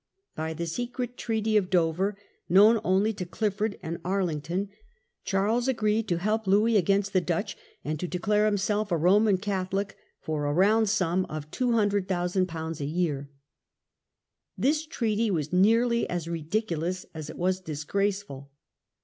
By the secret Treaty of Dover, known only to Clifford and Arlington, Charles agreed to help Louis against the Dutch, and to declare himself a Roman Catholic for a round sum of ;;^2 00,000 a year. This treaty was nearly as ridiculous as it was disgraceful.